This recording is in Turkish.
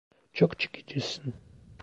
Çok çekicisin.